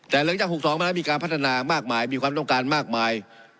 แต่หลังจาก๖๒มาแล้วมีการพัฒนามากมายมีความต้องการมากมาย